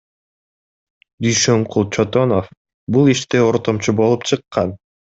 Дүйшөнкул Чотонов бул иште ортомчу болуп чыккан.